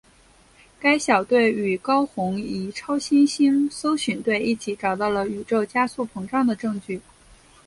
该小队与高红移超新星搜寻队一起找到了宇宙加速膨胀的证据。